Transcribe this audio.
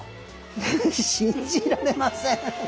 信じられません！